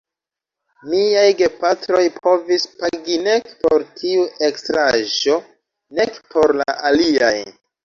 Miaj gepatroj povis pagi nek por tiu ekstraĵo, nek por la aliaj.